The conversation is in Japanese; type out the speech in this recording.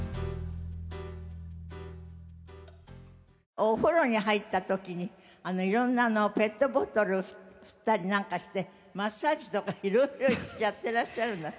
お風呂に入った時に色んなペットボトル振ったりなんかしてマッサージとか色々やっていらっしゃるんだって？